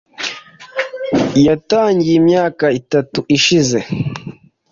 yatangiye imyaka itatu ishize.